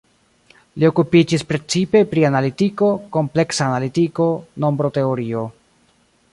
Li okupiĝis precipe pri analitiko, kompleksa analitiko, nombroteorio.